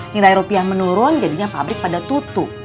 nilai rupiah menurun jadinya pabrik pada tutup